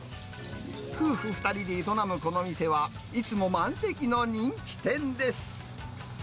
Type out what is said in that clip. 夫婦２人で営むこの店は、いつも満席の人気店です。